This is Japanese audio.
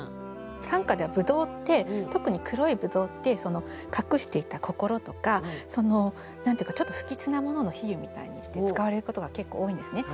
短歌ではぶどうって特に黒いぶどうって隠していた心とか何て言うかちょっと不吉なものの比喩みたいにして使われることが結構多いんですね。